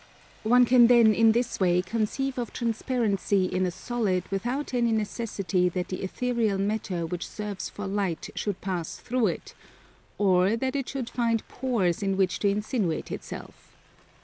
One can then in this way conceive of transparency in a solid without any necessity that the ethereal matter which serves for light should pass through it, or that it should find pores in which to insinuate itself.